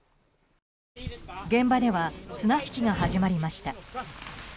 現場では綱引きが始まりました。